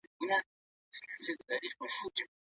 زه به سبا د کور پاکوالی وکړم.